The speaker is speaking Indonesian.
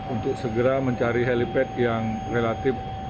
untuk segera mencari helipad yang relatif